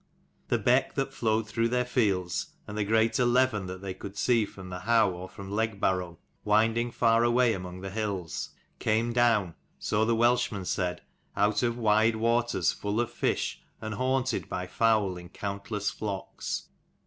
The beck that flowed through their fields, and the greater Leven that they could see from the howe or from Legbarrow winding far away among the hills, came down, so the Welshmen said, out of wide waters full of fish and haunted by fowl in countless flocks.